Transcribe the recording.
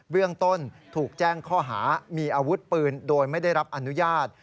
เรื่องต้นถูกแจ้งข้อหามีอาวุธปืนโดยไม่ได้รับอนุญาต